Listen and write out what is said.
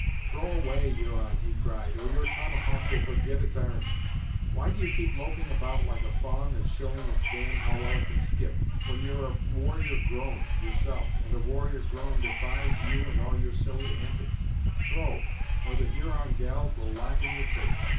"Throw away, Huron," he cried, "or your tomahawk will forget its ar'n'd. Why do you keep loping about like a fa'a'n that's showing its dam how well it can skip, when you're a warrior grown, yourself, and a warrior grown defies you and all your silly antiks. Throw, or the Huron gals will laugh in your face."